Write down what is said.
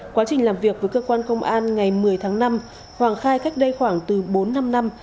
quá trình làm việc với cơ quan công an ngày một mươi tháng năm hoàng khai cách đây khoảng từ bốn năm năm